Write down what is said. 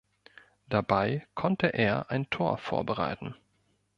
Dabei konnte er ein Tor vorbereiten.